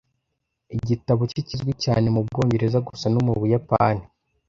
Igitabo cye kizwi cyane mu Bwongereza gusa no mu Buyapani.